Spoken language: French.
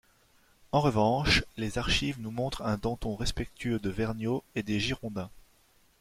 En revanche, les archives nous montrent un Danton respectueux de Vergniaud et des Girondins.